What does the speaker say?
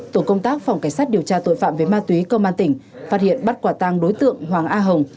tổ công tác phòng cảnh sát điều tra tội phạm về ma túy công an tỉnh phát hiện bắt quả tăng đối tượng hoàng a hồng